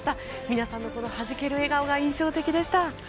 皆さんのはじける笑顔が印象的でした。